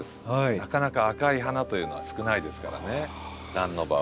なかなか赤い花というのは少ないですからねランの場合。